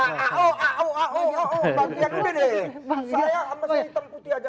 saya sama saya hitam putih aja